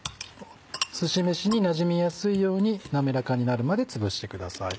すし飯になじみやすいように滑らかになるまでつぶしてください。